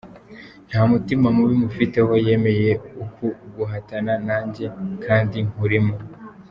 Nta mutima mubi mufiteho, yemeye uku guhatana nanjye kandi nkurimo.